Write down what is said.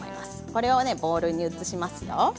これをボウルに移しますよ。